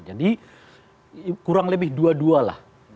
jadi kurang lebih dua dualah